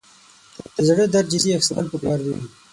د زړه درد جدي اخیستل پکار دي.